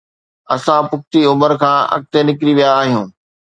اسان پختي عمر کان اڳتي نڪري ويا آهيون.